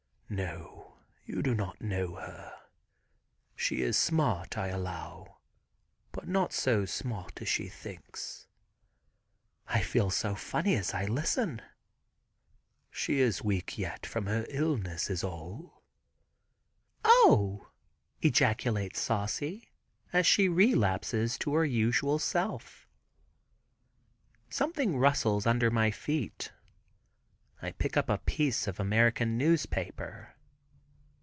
"No, you do not know her. She is smart, I allow, but not so smart as she thinks." (I feel so funny as I listen). "She is weak yet from her illness is all." "O!" ejaculates Saucy as she relapses to her usual self. Something rustles under my feet. I pick up a piece of American newspaper.